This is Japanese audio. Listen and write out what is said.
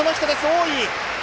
大井！